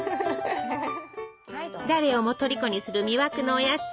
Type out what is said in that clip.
誰をもとりこにする魅惑のおやつ。